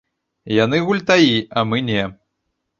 Яны гультаі, а мы не.